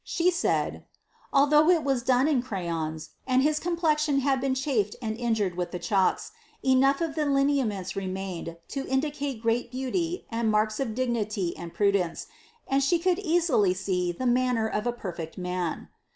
She said, "alihuugt was done in crayons, and his complexion had been chafed and injni with the chalks, enough of the lineaments remained to indicate gr beauty, and marks of dignity and prudence, and she could easily i the ntanner of a perfect man."